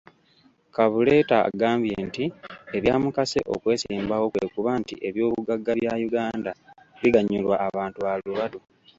Kabuleeta agambye nti ebyamukase okwesimbawo kwe kuba nti ebyobugagga bya Uganda biganyula abantu balubatu.